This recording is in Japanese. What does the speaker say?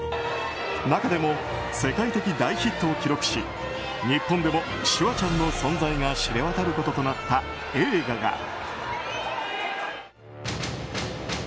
中でも世界的大ヒットを記録し日本でもシュワちゃんの存在が知れ渡ることとなった映画が。